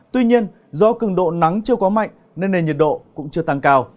tuy nhiên do cường độ nắng chưa có mạnh nên nền nhiệt độ cũng chưa tăng cao